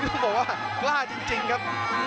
ต้องบอกว่ากล้าจริงครับ